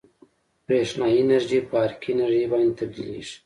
برېښنايي انرژي په حرکي انرژي باندې تبدیلیږي.